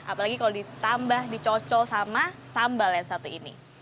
apalagi kalau ditambah dicocol sama sambal yang satu ini